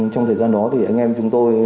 trong thời gian đó thì anh em chúng tôi